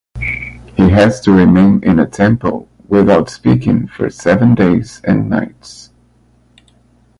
He has to remain in a temple without speaking for seven days and nights.